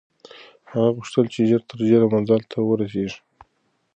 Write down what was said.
هغه غوښتل چې ژر تر ژره منزل ته ورسېږي.